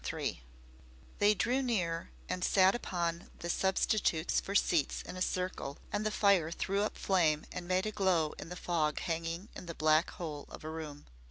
III They drew near and sat upon the substitutes for seats in a circle and the fire threw up flame and made a glow in the fog hanging in the black hole of a room.